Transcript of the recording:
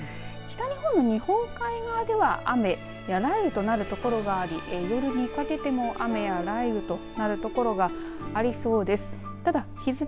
北日本の日本海側では雨や雷雨となるところがあり夜にかけても雨や雷雨となるところがありそうです。